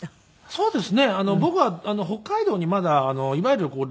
そうです。